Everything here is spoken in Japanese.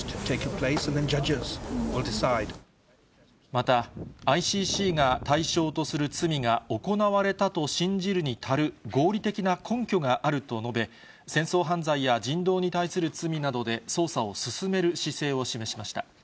また、ＩＣＣが対象とする罪が行われたと信じるに足る合理的な根拠があると述べ、戦争犯罪や人道に対する罪などで捜査を進める姿勢を示しました。